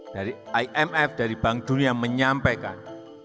dari imf dari bank dunia menyampaikan